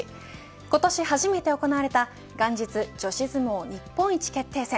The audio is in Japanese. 今年初めて行われた元日女子相撲日本一決定戦。